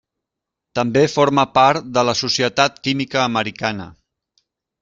També forma part de la Societat Química americana.